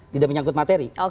tidak menyangkut materi